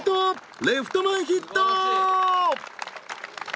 レフト前ヒット！